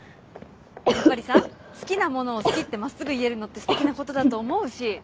やっぱりさ好きなものを好きって真っすぐ言えるのってステキなことだと思うし。